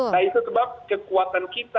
nah itu sebab kekuatan kita